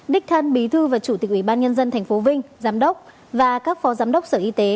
đích thân bí thư và chủ tịch ủy ban nhân dân tp vinh giám đốc và các phó giám đốc sở y tế